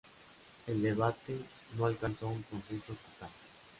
El debate, no alcanzó un consenso total.